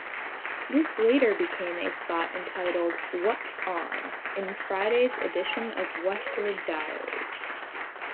This later became a spot entitled "What's On", in Friday's edition of "Westward Diary".